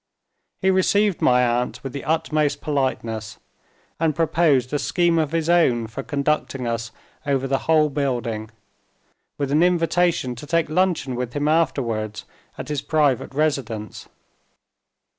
He received my aunt with the utmost politeness, and proposed a scheme of his own for conducting us over the whole building; with an invitation to take luncheon with him afterwards at his private residence.